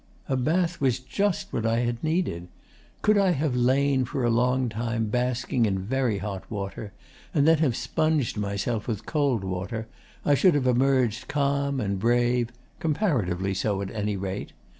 A bath was just what I had needed. Could I have lain for a long time basking in very hot water, and then have sponged myself with cold water, I should have emerged calm and brave; comparatively so, at any rate.